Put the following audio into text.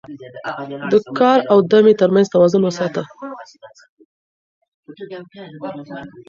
د کار او دمې ترمنځ توازن وساته